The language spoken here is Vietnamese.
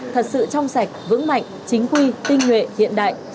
thật sự trong sạch vững mạnh chính quy tinh nguyện hiện đại